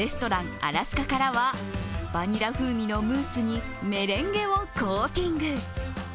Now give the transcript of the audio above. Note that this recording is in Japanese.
アラスカからはバニラ風味のムースにメレンゲをコーティング。